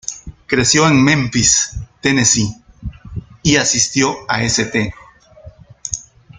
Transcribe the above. Creció en Memphis, Tennessee y asistió a St.